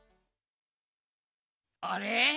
あれ？